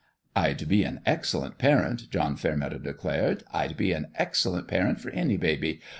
" I'd be an excellent parent," John Fairmeadow declared. " I'd be an excellent parent for any baby.